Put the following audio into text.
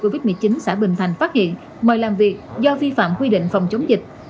covid một mươi chín xã bình thành phát hiện mời làm việc do vi phạm quy định phòng chống dịch